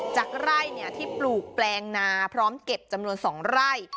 จากไร่ที่ปลูกแปลงนาพร้อมเก็บจำนวน๒ไร่